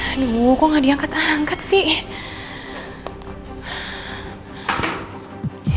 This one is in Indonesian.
aduh kok gak diangkat angkat sih